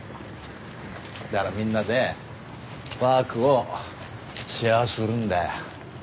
だからみんなでワークをシェアするんだよ。